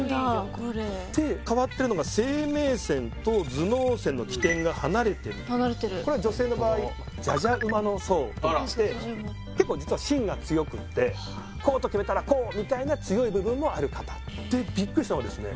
これ変わってるのが生命線と頭脳線の起点が離れてる離れてるこれは女性の場合じゃじゃ馬の相といって結構実は芯が強くってこうと決めたらこうみたいな強い部分もある方ビックリしたのがですね